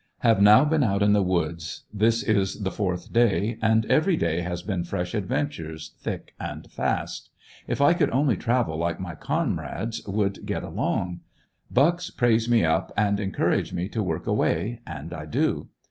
Have now been out in the woods, this is the fourth day, and every day has been fresh adventures thick and fast. If I could only travel like my comrades, would get along. Bucks praise me up and encour age me to work away, and I do.